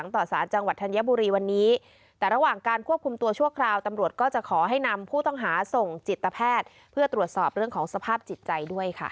โปรดติดตามตอนต่อไป